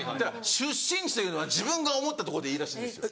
出身地というのは自分が思ったとこでいいらしいんですよ。